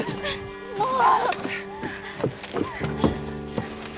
もう！